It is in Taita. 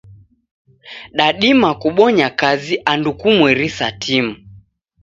Dadima kubonya kazi andu kumweri sa timu.